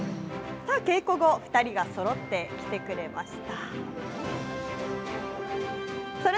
稽古後、２人がそろって来てくれました。